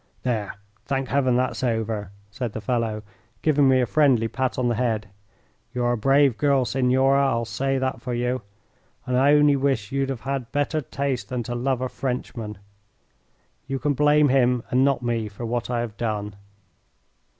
"There, thank Heaven, that's over," said the fellow, giving me a friendly pat on the head. "You're a brave girl, signora, I'll say that for you, and I only wish you'd have better taste than to love a Frenchman. You can blame him and not me for what I have done."